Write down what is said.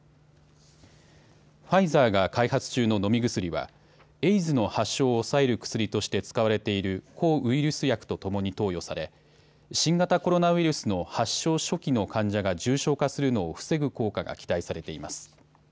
ファイザーが開発中の飲み薬はエイズの発症を抑える薬として使われている抗ウイルス薬とともに投与され新型コロナウイルスの発症初期の患者が重症化するのを防ぐ効果が期待されています。